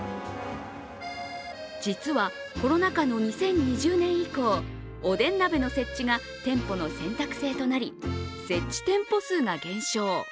実は、コロナ禍の２０２０年以降おでん鍋の設置が店舗の選択制となり、設置店舗数が減少。